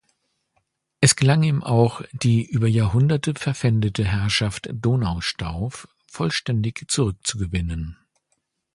Es gelang ihm auch, die über Jahrhunderte verpfändete Herrschaft Donaustauf vollständig zurückzugewinnen.